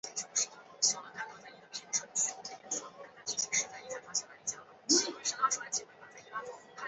他曾效力于意乙球队维琴察足球俱乐部。